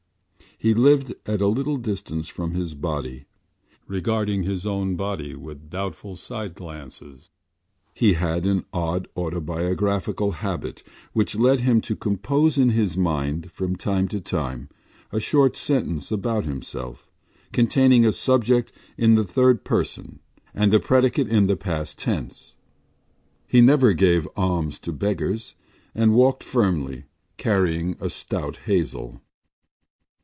He lived at a little distance from his body, regarding his own acts with doubtful side glances. He had an odd autobiographical habit which led him to compose in his mind from time to time a short sentence about himself containing a subject in the third person and a predicate in the past tense. He never gave alms to beggars and walked firmly, carrying a stout hazel.